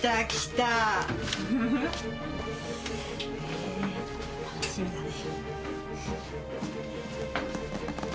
え楽しみだね。